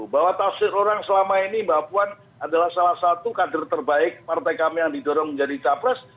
bahwa tafsir orang selama ini mbak puan adalah salah satu kader terbaik partai kami yang didorong menjadi capres